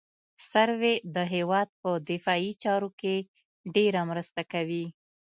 سروې د هېواد په دفاعي چارو کې ډېره مرسته کوي